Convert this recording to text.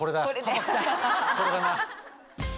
これだな。